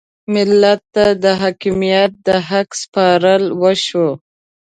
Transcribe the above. ملت ته د حاکمیت د حق سپارل وشو.